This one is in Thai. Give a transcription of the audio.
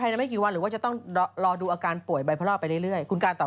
เตรียมจัดคอนเสิร์ตเสกโลโซ